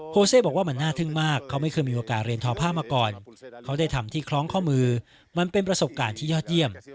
เซบอกว่ามันน่าทึ่งมากเขาไม่เคยมีโอกาสเรียนทอผ้ามาก่อนเขาได้ทำที่คล้องข้อมือมันเป็นประสบการณ์ที่ยอดเยี่ยม